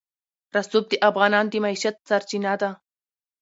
رسوب د افغانانو د معیشت سرچینه ده.